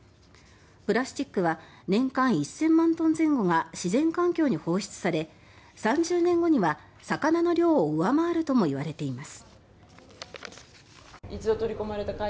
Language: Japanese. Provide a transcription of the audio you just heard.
プラスチックは年間１０００万トン前後が自然環境に放出され３０年後には魚の量を上回るともいわれています。